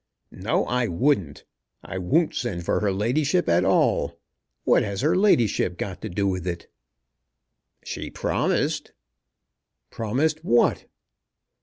"No; I wouldn't. I won't send for her ladyship at all. What has her ladyship got to do with it?" "She promised." "Promised what?"